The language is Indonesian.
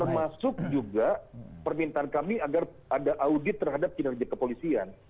termasuk juga permintaan kami agar ada audit terhadap kinerja kepolisian